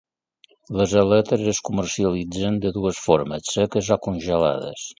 Les aletes es comercialitzen de dues formes: seques o congelades.